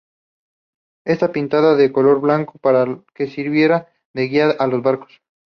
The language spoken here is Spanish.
Está pintada de color blanco para que sirviera de guía a los barcos.